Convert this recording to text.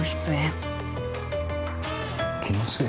気のせい？